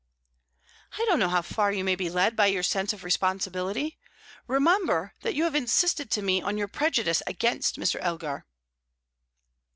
"I don't know how far you may be led by your sense of responsibility. Remember that you have insisted to me on your prejudice against Mr. Elgar."